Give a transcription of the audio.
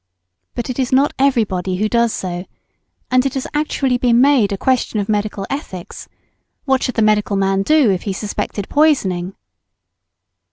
But it is not everybody who does so, and it has actually been made a question of medical ethics, what should the medical man do if he suspected poisoning?